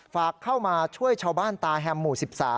ฝากเข้ามาช่วยชาวบ้านตาแฮมหมู่๑๓